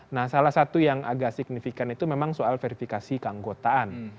nah salah satu yang agak signifikan itu memang soal verifikasi keanggotaan